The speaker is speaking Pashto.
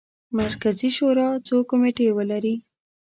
مرکزي شورا څو کمیټې ولري.